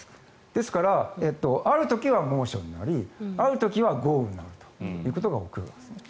ですからある時は猛暑になりある時は豪雨になるということが起きるわけです。